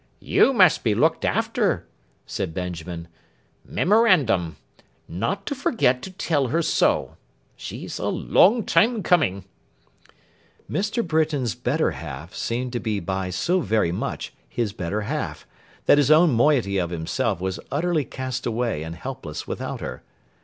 'You must be looked after,' said Benjamin. 'Memorandum, not to forget to tell her so. She's a long time coming!' Mr. Britain's better half seemed to be by so very much his better half, that his own moiety of himself was utterly cast away and helpless without her.